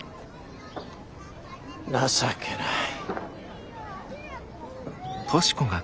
情けない。